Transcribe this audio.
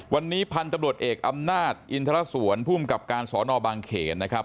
วันนี้พันธุ์ตำรวจเอกอำนาจอินทรสวนภูมิกับการสอนอบางเขนนะครับ